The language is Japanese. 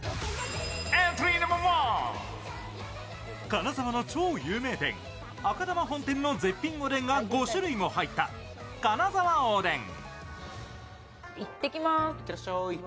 金沢の超有名店、赤玉本店のおでんが５種類も入った金澤おでん。